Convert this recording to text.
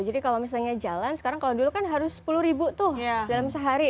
jadi kalau misalnya jalan sekarang kalau dulu kan harus sepuluh ribu tuh dalam sehari